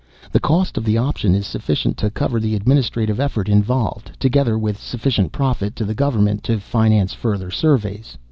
The cost of the option is sufficient to cover the administrative effort involved, together with sufficient profit to the government to finance further surveys.